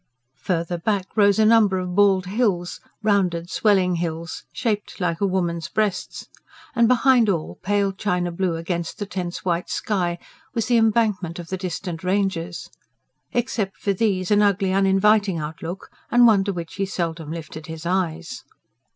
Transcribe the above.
Further back rose a number of bald hills rounded, swelling hills, shaped like a woman's breasts. And behind all, pale china blue against the tense white sky, was the embankment of the distant ranges. Except for these, an ugly, uninviting outlook, and one to which he seldom lifted his eyes.